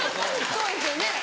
そうですよね。